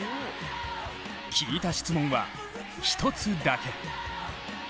聞いた質問は、１つだけ。